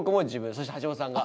そして橋本さんが。